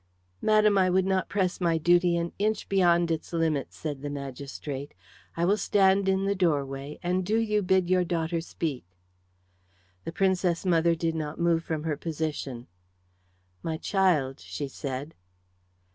"Madam, I would not press my duty an inch beyond its limits," said the magistrate. "I will stand in the doorway, and do you bid your daughter speak." The Princess mother did not move from her position. "My child," she said.